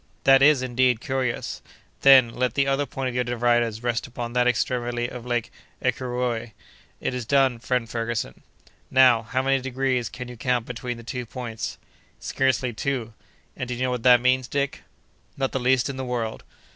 "That is, indeed, curious." "Then, let the other point of your dividers rest upon that extremity of Lake Oukéréoué." "It is done, friend Ferguson." "Now, how many degrees can you count between the two points?" "Scarcely two." "And do you know what that means, Dick?" "Not the least in the world."